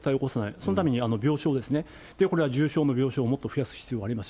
そのために病床ですね、これは重症の病床をもっと増やす必要があります。